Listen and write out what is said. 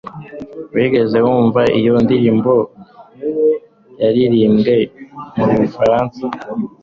wigeze wumva iyo ndirimbo yaririmbwe mu gifaransa